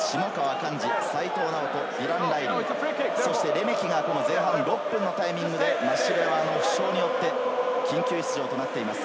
レメキが前半６分のタイミングでマシレワの負傷によって緊急出場となっています。